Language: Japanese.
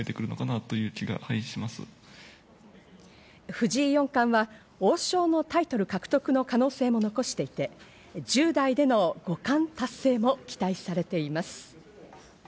藤井四冠は王将のタイトル獲得の可能性も残していて、１０代での五冠達成も期待されています。